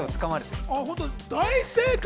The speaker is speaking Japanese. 大正解！